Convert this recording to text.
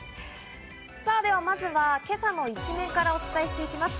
さぁではまずは、今朝の一面からお伝えしていきます。